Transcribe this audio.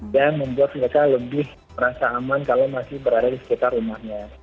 dan membuat semoga lebih merasa aman kalau masih berada di sekitar rumahnya